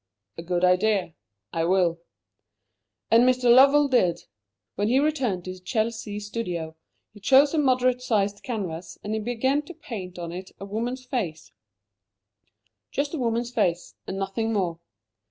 '" "A good idea. I will." And Mr. Lovell did. When he returned to his Chelsea studio, he chose a moderate sized canvas, and he began to paint on it a woman's face just a woman's face, and nothing more.